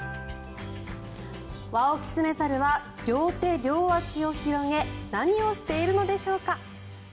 ワオキツネザルは両手両足を広げ何をしているのでしょうか？